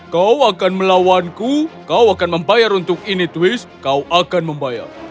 kau akan melawanku kau akan membayar untuk ini twist kau akan membayar